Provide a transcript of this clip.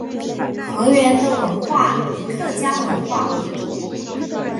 河源的文化以客家文化为主。